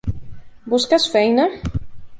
Busques feina?